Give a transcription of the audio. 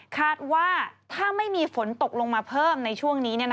คาดว่าถ้าไม่มีฝนตกลงมาเพิ่มในช่วงนี้